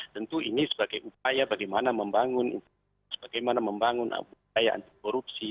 tentu ini sebagai upaya bagaimana membangun upaya anti korupsi